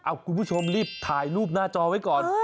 คุณผู้ชมรีบถ่ายรูปหน้าจอไว้ก่อน